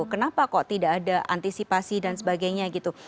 kenapa kok tidak ada antisipasi dan sebagainya gitu